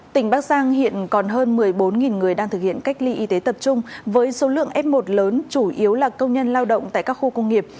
tỉnh bắc giang hiện còn hơn một mươi bốn người đang thực hiện cách ly y tế tập trung với số lượng f một lớn chủ yếu là công nhân lao động tại các khu công nghiệp